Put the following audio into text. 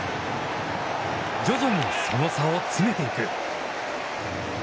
徐々に、その差を詰めてゆく。